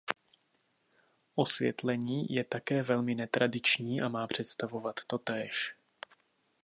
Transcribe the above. Osvětlení je také velmi netradiční a má představovat totéž.